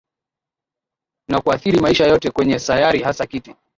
na kuathiri maisha yote kwenye sayari Hasa kiti